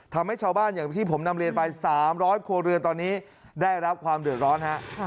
ทำให้ชาวบ้านอย่างที่ผมนำเรียนไป๓๐๐ครัวเรือนตอนนี้ได้รับความเดือดร้อนฮะ